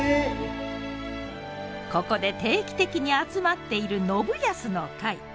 ここで定期的に集まっている信康の会。